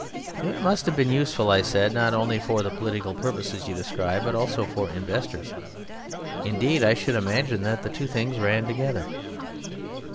"It must have been useful," I said, "not only for the political purposes you describe, but also for investors. Indeed, I should imagine that the two things ran together."